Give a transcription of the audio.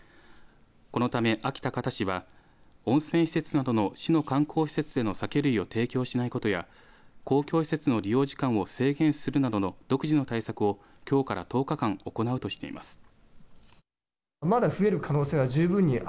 このため安芸高田市は温泉施設などの市の観光施設での酒類を提供しないことや公共施設の利用時間を制限するなどの独自の対策を、きょうから１０日間行うとしています。